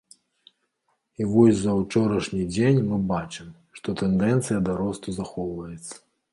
І вось за ўчорашні дзень мы бачым, што тэндэнцыя да росту захоўваецца.